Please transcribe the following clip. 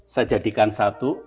saya jadikan satu